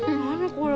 これ。